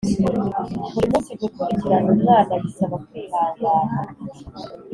buri munsi Gukurikirana umwana bisaba kwihangana